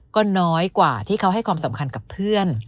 ก็น้อยกว่าที่เขาให้ความสำคัญกับเพื่อน